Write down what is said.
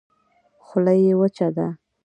خوله يې وچه وه.